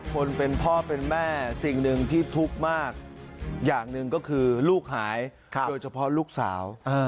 คนเป็นพ่อเป็นแม่สิ่งหนึ่งที่ทุกข์มากอย่างหนึ่งก็คือลูกหายโดยเฉพาะลูกสาว